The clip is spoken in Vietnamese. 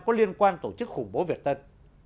có liên quan tổ chức khủng bố việt tân